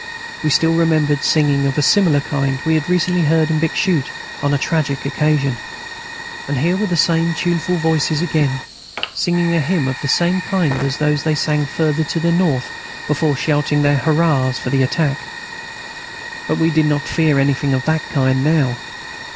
We still remembered singing of a similar kind we had recently heard at Bixschoote on a tragic occasion; and here were the same tuneful voices again, singing a hymn of the same kind as those they sang further to the north before shouting their hurrahs for the attack. But we did not fear anything of that kind now.